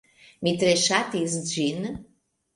Mi tre ŝatis ĝin.